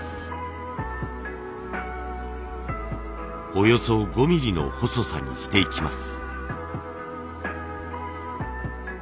およそ５ミリの細さにしていきます。